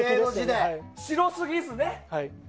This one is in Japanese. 白すぎずね。